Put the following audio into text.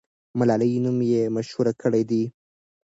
ملالۍ نوم یې مشهور کړی دی.